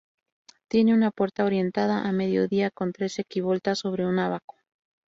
Tiene una puerta orientada a mediodía con tres arquivoltas sobre un ábaco.